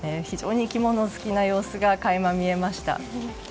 非常に生き物好きな様子が垣間見えました。